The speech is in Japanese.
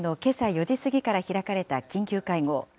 ４時過ぎから開かれた緊急会合。